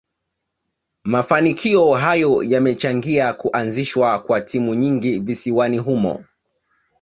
Mafanikio hayo yamechangia kuazishwa kwa timu nyingi visiwani humo